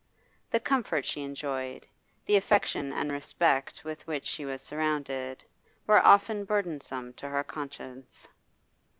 The comfort she enjoyed, the affection and respect with which she was surrounded, were often burdensome to her conscience.